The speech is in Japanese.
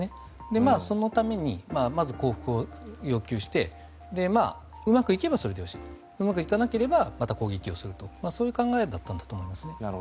そのためにまず降伏を要求してうまくいけばそれでよしうまくいかなければまた攻撃をするとそういう考えだったんだと思いますね。